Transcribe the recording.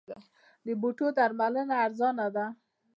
د بوټو درملنه ارزانه ده؟